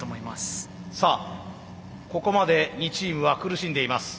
さあここまで２チームは苦しんでいます。